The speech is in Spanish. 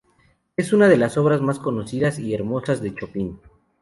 Es una de las obras más conocidas y hermosas de Chopin.